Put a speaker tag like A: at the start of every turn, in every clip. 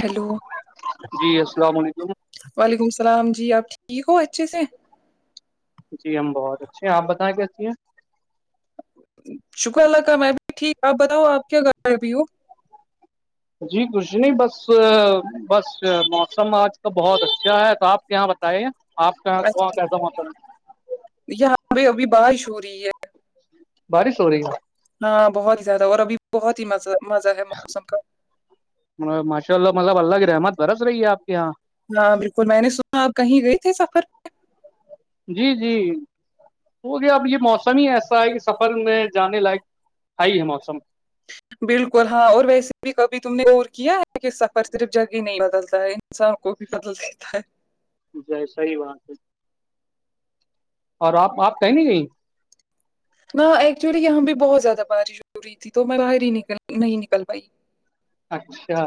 A: Hello
B: جی السلام علیکم
A: وعلیکم السلام جی آپ ٹھیک ہو اچھے سے
B: جی ہم بہت اچھے ہیں آپ بتائیں کیسی ہیں
A: شکر اللہ کا میں بھی ٹھیک آپ بتاؤ آپ کیا کر رہے ہو ابھی
B: جی کچھ نہیں بس بس موسم آج کا بہت اچھا ہے تو آپ یہاں بتائیے آپ کے یہاں کیسا موسم ہے
A: یہاں پہ ابھی بارش ہو رہی ہے
B: باری ہو رہی ہے
A: ہاں بہت ہی زیادہ اور ابھی بہت ہی مز مزہ ہے موسم کا
B: ماشاء اللہ مطلب اللہ کی رحمت برس رہی ہے آپ کے یہاں
A: ہاں بالکل میں نے سنا آپ کہیں گئے تھے سفر
B: جی جی وہ گیا اب یہ موسم ہی ایسا ہے کہ سفر میں جانے لائق ہائی ہے موسم
A: بالکل ہاں اور ویسے بھی کبھی تم نے ور کیا ہے کہ سفر صرف جگہ نہیں بدلتا ہے انسان کو بھی بدل دیتا ہے
B: جی صحی بات ہے اور آپ آپ کہیں نہیں کہیں
A: ہاں ایکچولی یہاں بھی بہت زیادہ بارش ہو رہی تھی تو میں باہر ہی نکل نہیں نکل پائی
B: اچھا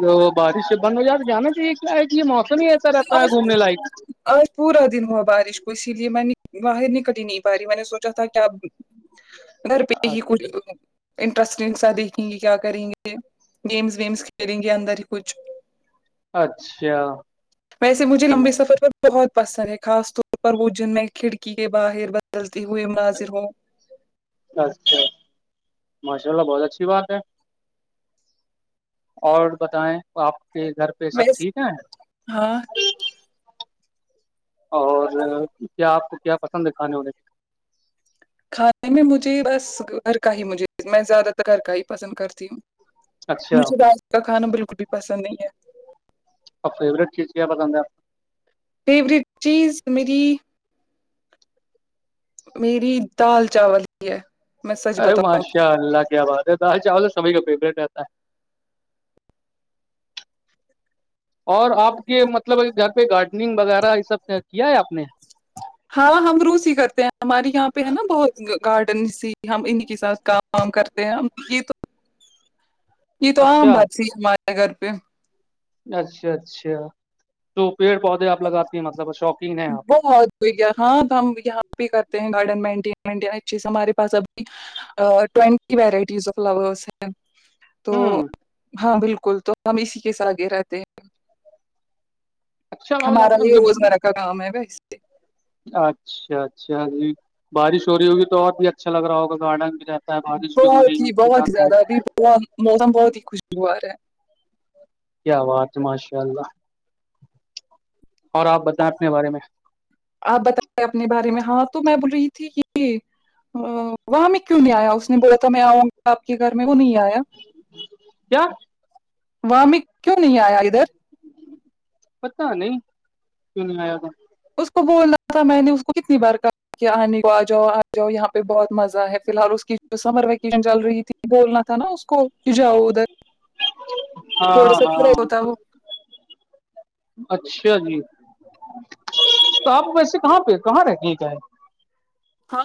B: تو بارش سے بند ہو جات تو جانا چاہیے کیا کہ یہ موسم تو نہیں یہتا رہتا ہے
A: آج
B: گھومنے لائک
A: آج پورا دن ہوا بارش کو اسی لیے میں نے باہر نکل ہی نہیں پا رہی میں نے سوچا تھا کیا گھر پہ ہی کھ انٹرسٹنگ سا دیکھیں گے کیا کریں گے گیمس ویمس کھیلیں گے اندر ہی کچھ
B: اچھا
A: ویس مجھے لمبے سفر پر بہت پسند ہے خاص طور پر وہ جن میں کھڑکی کے باہر بدلتی ہوئے ناذر ہووں
B: اچھا ماشاء اللہ بہت اچھی بات ہے اور بتائیں آپ کے گھر پہ سب
A: ویس
B: ٹھیک ہے
A: ہاں
B: اور کیا آپ کو کیا پسند ہے کھانے ہونے
A: کھانے میں مجھے بس گھر کا ہی مجھے میں زیادہ تر گھر کا ہی پسند کرتی ہوں
B: میں؟ اچھا
A: مجھے
B: اور
A: باہر کا کھانا بالکل بھی پسند نہیں ہے
B: اور فیوریٹ چیز کیا پسند ہے
A: فیوریٹ چیز میری میری دال چاول ہی ہے میں سچ
B: ارے
A: بتاؤں
B: ماشاء اللہ کیا بات ہے دال چاول تو سبھی کا فیوریٹ رہتا ہے اور آپ کے مطلب گھر پہ گارڈننگ وغیرہ یہ سب کیا ہے آپ نے
A: ہاں ہم روسی ہی کرتے ہیں ہماراری یہاں پہ ہے نا بہت گارڈن تھی ہم انہ کے سات کام کام کرتے ہیں ہم یہ تو
B: [unintelligible]
A: یہ تو عام
B: اچھا
A: باتسی ہمارے گھر پہ
B: اچھا اچھا تو پیڑ پودے آپ لگاتے
A: بہت ہو ہاں تو ہم یہاں بھی کرتے ہیں گارڈن مینٹین مینٹین اچھے سے ہمارے پاس ابھی ٹوینٹی وورائٹیز آف فلاورس ہیں تو
B: ہوں
A: ہاں بالکل تو ہم اسی کے سے آگے رہتے ہیں
B: اچھا گاؤ لے
A: اسک گم میں اسے
B: اچھا اچھا جی بارش ہو رہی ہوگی تو اور بھی اچھا لگ رہا ہوگا تو آڈنگ بھی ج ہوتا ہے بارش بھی ہو رہی ہے اس کے ساتھ
A: وہ موسم بہت ہی خوشگوار ہے
B: کیاوات ہے ماشاء اللہ اور آپ بتائیں اپنے بارے میں
A: آپ بتے اپنے بارے میں ہاں تو میں بول رہی تھی کہ وہاں میں کیوں نہیں آیا اس نے بولا تھا میں آؤں آپ کے گھر میں وہ نہیں آیا
B: کیا
A: وام کیوں نہیں آیا ادھر
B: پتا نہیں کیوں نہیں آیا تھاا
A: اس کو بولنا تھا میں نے اس کو کتنی بار کہا کہ آنے کو آ جاؤ آ جاؤ یہاں پہ بہت مزہ ہے فی الحال اس کی جو سمر ویکیشن چل رہی تھی بولنا تھا نا اس کو جاؤ ادھر تھوڑا
B: ہاں
A: سا خھر
B: ہاں
A: ہوتا وہ
B: اچھا جی تو آپ ویسے کہاں پہ کہاں رہتے ہیں کیایں
A: تھا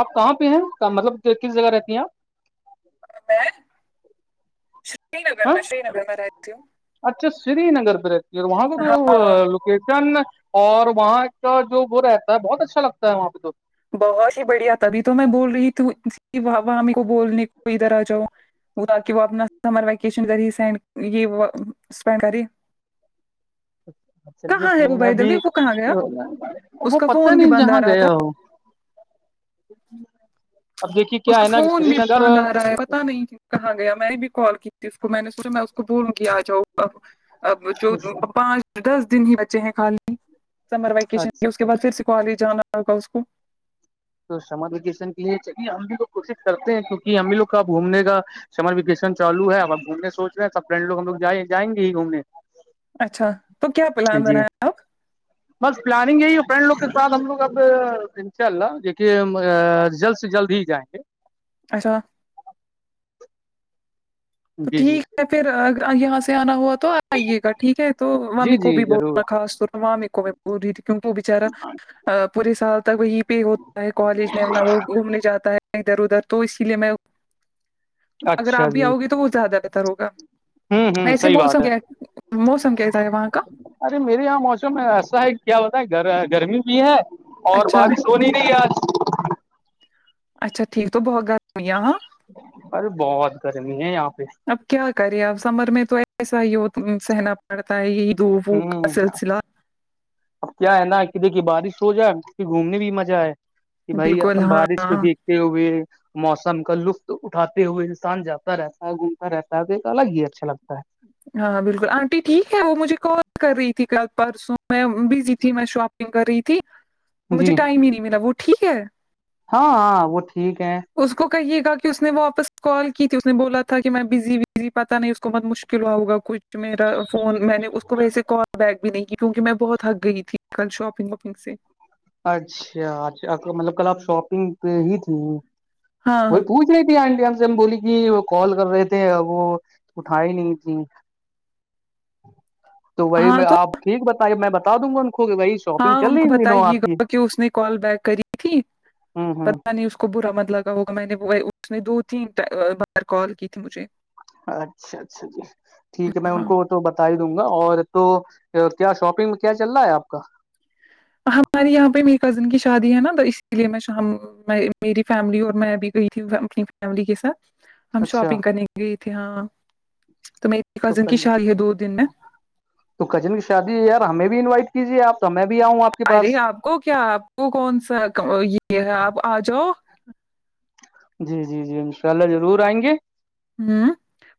B: آپ کہاں پہ ہیں مطلب کس جگہ رہتی ہیں آپ
A: میں شری نگر
B: ہاں
A: میں شری نگر میں رہتی ہ
B: اچھا سری نگر پہ رہتی ہے اور وہاں پہ
A: ہاں
B: جو شن اور وہاں کا جو وہ رہتا ہے بہت اچھا لگتا ہے وہاں پہ د
A: بہت ہی بڑھیا تھابھی تو میں بول رہی تھی وہاں میر کو بولنے کو ادھر آ جاؤ وہ تاک وہ اپنا سمر ویکیشن ذریعے سین یہینڈ کرے
B: چلیے
A: کہاں ہے
B: ٹھیک
A: وہ
B: میں
A: بائی دا
B: ابھی
A: وے وہ کہاں گیا اس
B: وہ
A: کا
B: پت
A: فون بھی
B: نہیں
A: بند آ
B: جہاں
A: رہا تھا
B: گیا ہووں اب دیکھیے
A: اس
B: کیا
A: کا
B: ہے نا
A: فون
B: سری
A: بھی
B: نگر
A: بند آ رہا پتا نہیں کی کہاں گیا میں نے بھی کال کی تھی اس کو میں نے سوچا میں اس کو بولوں گی آ جاؤ اب اب جو پانچ دس دن ہی بچے ہیں خالی سمر
B: اچھا
A: ویکیشن کے اس کے بعد پھر سے کالج جانا ہوگا اس کو
B: تو سمر ویکیشن کے لیے چلیے ہم بھیوگ کوشش کرتے ہیں کیونکہ ہم بھی لوگ کاب گھومنے کا سمر ویکشن چالو ہے ا گھومنے سوچ رہے سب فرینڈ لو ہم لگ ج جائیں گے ہی گھومنے
A: اچھا تو کیا پلان
B: جی
A: بنایں آپ
B: بس پلاننگ یہی ہے فرینڈ لوگ کے ساتھ ہم لوگ اب انشاء اللہ د کہ جلد سے جلد ہی جائیں گے
A: اچھا تو
B: جی جی
A: ٹھیک ہے پھر یہاں سے آنا ہوا توپ آئیے گا ٹھیک ہے تو مامی
B: جی
A: کو
B: جی
A: بھی
B: ضرور
A: بولنا خاص طور مامی کو میں بول رہی تھی کیونکہ وہ بچارا پورے سال تک وہی پہ ہوتا ہے کالج میں وہ گھومنے جاتا ہے ادھر ادھر تو اسی لیے میں اگر آپ
B: اچھا
A: بھی
B: جی
A: آؤ گی تو وہ زیادہ بہتر ہوگا
B: ہوں ہوں
A: ویسے
B: صحیح بات
A: موسم
B: ہے
A: کیا موسم کیسا ہے وہاں کا
B: ارے میرے یہاں موسم ایسا ہے کیا ہوتا ہے گرمی بھی ہے اور
A: اچھا
B: بارش تو نہیں نہیں آج
A: اچھا ٹھیک تو بہت گرممی ہے ہاں
B: ارے بہت گرمی ہے یہاں پہ
A: اب کیا کرے اب سمر میں تو ایسا ہی ہو سہنا کرتاائ وہو کا
B: ہوں
A: سلسل
B: اب کیا ہے نا کہ دیکھیے بارش ہو جائے گھومنے بھی مزہ آئے کہ بھائی
A: بالکل
B: اپن
A: ہاں
B: بارش پہ بھیگتے ہوئے موسم کا لطف اٹھاتے ہوئے انسان جاتا رہتا ہے گھومتا رہتا ہے تو ایک الگ ہی اچھا لگتا ہے
A: ہاں بالکل آنٹی ٹھیک ہے وہ مجھے کال کر رہی تھی کل پرسوں میں بزی تھی میں شاپ کین کر رہی ت [unintelligible]
B: [inaudible]
A: مجھے ٹائم ہی نہیں ملا وہ ٹھیک ہے
B: ہاں ہاں وہ ٹھیک ہے
A: اس کو کہیے گا کہ اس نے واپس کال کی تھی اس نے بولا تھا کہ میں بزی بزی پتہ نہیں اس کو بہت مشکل کلوؤگا کچھ میرا فون میں نے اس کو ویسے کال بیک بھی نہیں کی کیونکہ میں بہت ہک گئی تھی کل شاپنگ واپنگ سے
B: اچھا اچھا مطلب کل آپ شاپنگ پہ ہی تھی
A: ہاں
B: وہ پوچھ رہی تھی آنٹی ہم سے ہم بولی کہ وہ کال کر رہے تھے ا وہ اٹھائی نہیں تھی تو وہی
A: ہاں
B: میں
A: تو
B: آپ ٹھیک بتائیے میں بتا دوں گا ان کو وہی
A: ہاں ان کو بتائیے گا کہ اس نے کال بیک کری تھی
B: ہوں ہوں
A: پتا نہیں اس کو کو برا مت لگا ہوگا میں نے اس نے دو تین بار کال کی تھی مجھے
B: اچھا اچھا جی ٹھیک ہے میں ان
A: ہاں
B: کو تو بتا ہی دوں گا اور تو کیا شاپنگ کیا چل رہا ہے آپ کا
A: ہمارے یہاں پہ میری کزن کی شادی ہے نا تو اسی لیے میں میری فیملی اور میں ابھی گئی تھی اپنی فیملی کے ساتھ ہم
B: اچھا
A: شاپنگ کرنے گئے تھے ہاں تو میں
B: تو ک
A: کزن کی شادی ہے دو دن
B: تو کجن کی شادی یار ہمیں بھی انوائٹ کیجیے آپ تو میں بھی آؤں آپ کے پاس
A: ارے آپ کو کیا آپ کو کون سا یہ ہے آپ آ جاؤ
B: جی جی جی انشاء اللہ ضرور آئیں گے
A: ہوں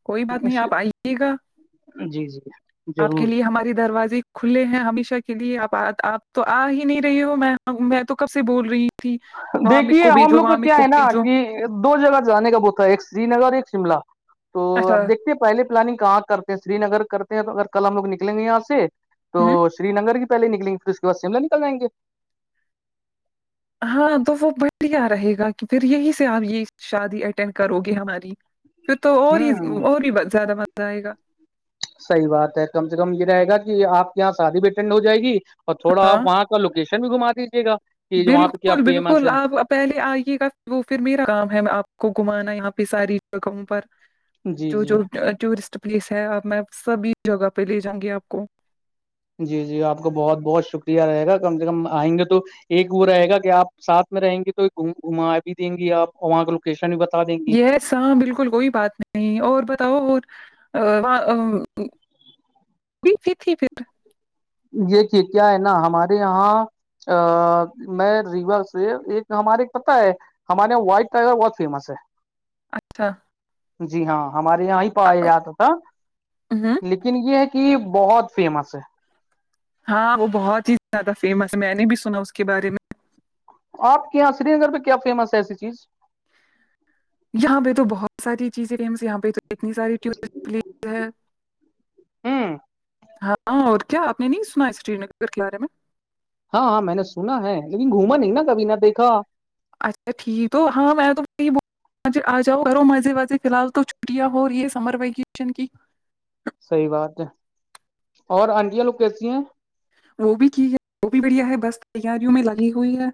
A: کوئی بات نہیں آپ آئیے گا
B: جی جی
A: آپ کے
B: ضرور
A: لیے ہماری دروازے [unintelligible] کھلے ہیں ہمیشہ کے لیے آپ آ آپ تو آ ہی نہیں رہے ہو میں میں تو کب سے بول رہی ہوں ت [unintelligible]
B: دیکھیے ہم لوگ کا کیا ہے نا کہ دو جگہ جانے کا بہت تھا ایک سری نگر اور ایک شملہ تو آپ
A: اچھا
B: دیکھتے پہے پلاننگ کہاں کرتے ہیں سری نگر کرتے ہیں تو اگر کل ہم لگ نکلیں گے یہاں سے تو
A: ہوں
B: شری نگر کی پہلے نکلیں گے پھر اس کے بعد شملہ نکل جائیں گے
A: ہاں تو وہ بڑھیا رہے گا کہ پھر یہی سے آپ یہ شادی اٹینڈ کرو گے ہماری پھر تو اور ہی
B: ہوں
A: اور ہی زیادہ مز آئے گا
B: صح بات ہے کم سے کم یہ رہے گا کہ آپ کے یہاں شادی بھی اٹینڈ ہو جائے گی اور تھوڑا
A: ہاں
B: آپ وہاں اس کا لوکشن بھی گھا دیجیے گا کہ وہاں پہ کیا
A: بالکل
B: فیمس
A: بالکل
B: ہے
A: آپ پہلے آئیے گا وہ پھر میرا کام ہے آپ کو گھمانا یہاں پہ ساری جگہوں پر
B: جی
A: جو جو
B: جی
A: ٹورسٹ پلیس ہے آپ میں سبھی جگہ پہ لے جاں گی آپ کو
B: جی جی آپ کو بہت بہت شکریہ رہے گا کم سے کم آئیں گے تو ایک وہ رہے گا کہ آپ ساتھ میں رہیں گی تو گ گھما بھی دیں گی آپ اور وہاں کا لوکیشن بھی بتا دیں گی
A: یہ ہاں بالکل کوئی بات نہیں اور بتاؤ اور [unintelligible]
B: دیکھیے کیا ہے نا ہمارے یہاں ا میں ریوا سے ایک ہمارے پتا ہے ہمارےاں وائٹ ٹائیگر بہت فیمس ہے
A: اچھا
B: جی ہاں ہمارے یہاں ہی
A: آ،
B: پایا جاتا تھا
A: ہوں
B: لیکن یہ ہے کہ کی بہت فیمس ہے
A: ہاں وہ بہت ہی زیادہ فیمس میں نے بھی سنا اس کے بارے میں
B: آپ کے یہاں سری نگر میں کیا فیمس ہے ایسی چیز
A: یہاں پہ تو بہت ساری چیزیں فیمس یہاں پہ تو اتنی ساری ٹورسٹ پلیس ہے
B: ہمم
A: ہاں اور کیا آپ نے نہیں سنا ہے سری نگر ک بارے میں
B: ہاں ہاں میں نے سنا ہے لیکن گھوما نہیں نا کبھی نہ دیکھا
A: اچھا ٹھیک تو ہاں میں تو آ جاؤ کرو مزے وزے فی الحال تو چھٹیاں ہو رہ یہ سمر ویکیشن کی
B: صحی بات ہے اور آنٹیاں لوگ کیسی ہیں
A: وہ بھی ہے وہ بھی بڑھیا ہے بس تیاریوں میں لگی ہوئی ہے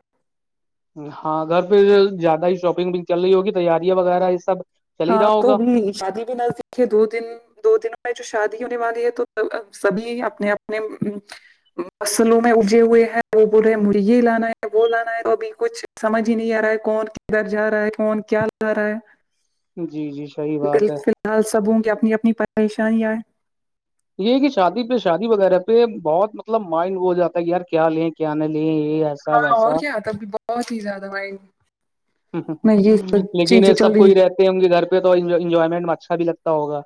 B: ہاں گھر پھر زیادہ ہی شاپنگ بھی چل رہی ہوگی تیاریاں وغیرہ یہ سب چل ہی
A: ہاں
B: رہا
A: تو
B: ہوگا
A: بھی شادی بھی نہ دو دن دو دنوں میں جو شادی ہونے والی ہے تو سبھی اپنے اپنے مصلوں میں اجے ہوئے ہیں وہ بولے مجھے یہ لانا ہے وہ لانا ہے تو ابھی کچھ سمجھ ہی نہیں آ رہا ہے کون کدھر جا رہا ہے کون کیا لا رہا ہے
B: جی جی صحی بات ہے
A: فلحال سب ہوں گے اپنی اپنی پریشانیاں
B: یہ کہ شادی پہ شادی وغیرہ پہ بہت مطلب مائنڈ ہو جاتا ہے کہ یار کیا لیں کیا نہیں لیں یہیار
A: ہاں اور کیا تھا ابھی بہت ہی زیادہ مائنڈ میں یہ سب
B: لیکن
A: چیزیں چل
B: سب
A: رہی
B: کوئی رہتے ہوں گے گھر پہ تو انجوائمنٹ میں اچھا بھی لگتا ہوگا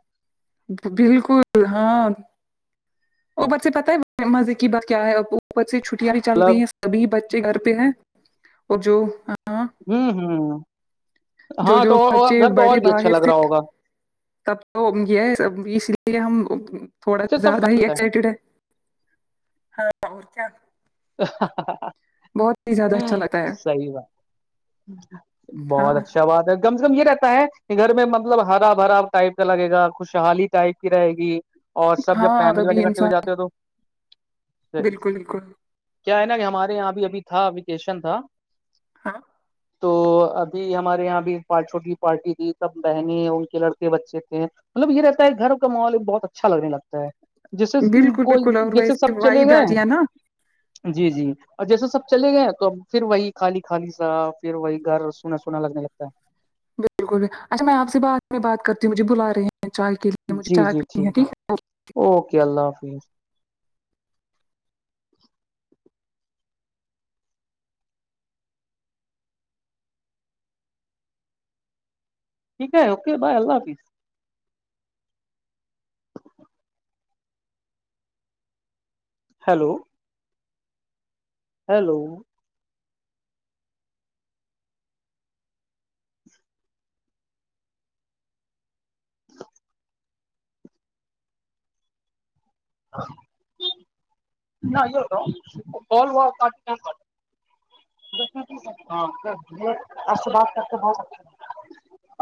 A: بالکل ہاں اوپر سے ح پتا ہے مزے کی بات کیا ہے اوپر سے چھٹیاں بھی چل
B: مطلب
A: رہی ہیں سبھی بچے گھر پہ ہے اور جو ہاں
B: ہمم ہمم
A: جو
B: ہاں
A: جو
B: تو
A: بچے
B: گھر تو اور
A: بڑے
B: بھی اچھا
A: باہر
B: لگ
A: سے
B: رہا ہوگا
A: تب تو یہ اس لیے ہم تھوڑا
B: اچھا سب
A: زیادہ ہی
B: فم
A: ایکسائٹیڈ ہے ہاں اور کیا
B: [inaudible]
A: بہت ہی زیادہ اچھا
B: ہمم
A: لگتا ہے
B: صحیح بات
A: ہاں
B: بہت اچھا بات ہے کم سے کم یہ رہتا ہے کہ گھر میں مطلب ہرا ب ہرا ٹائپ کا لگے گا خوشحالی ٹائپ کی رہے گی اور سب جب
A: ہاں
B: فیملی والی
A: تبھی
B: کرتے ہوئے
A: انسان
B: جاتے ہو تو
A: بالکل بالکل
B: کیا ہے نا کہ ہمارے یہاں ابھی ابھی تھا ویکیشن تھا
A: ہاں
B: تو ابھی ہمارے یہاں بھی پچ چھوٹی پارٹی تھی سب بہنیں ان کے لڑکے بچے تھے مطلب یہ رہتا ہے گھر کا ماحول ایک بہت اچھا لگنے لگتا ہے جیسے
A: بالکل
B: کوئی
A: بالکل اور
B: جیسے
A: ویسے
B: سب چلے
A: وائی بھی
B: گئے
A: آتی ہے نا
B: جی جی اور جیسے سب چلے گئے ہیں تو ا پھر وہی خالی خالی سا پھر وہی گھر سونا سونا لگنے لگتا ہے
A: بالکل بھی اچھا میں آپ سے بات میں بات کرتی ہوں مجھے بلا رہے ہیں چائے کے لیے
B: ہے
A: مجھے
B: جی
A: چائے
B: جی
A: پی ہے ٹھیک ہے
B: اوکے اللہ حافظ ٹھیک ہے اوک بائے اللہ حافظ ہیلو ہیلو یہ تو ب ای سے بات کرتے بہت اچا